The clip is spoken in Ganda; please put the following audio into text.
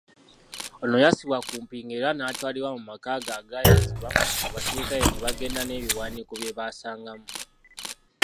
Ono yassibwa ku mpingu era naatwalibwa mu makage agaayazibwa, abasirikale ne bagenda nebiwandiiko byebasangamu.